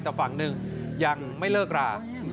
แต่ฝั่งหนึ่งยังไม่เลิกรา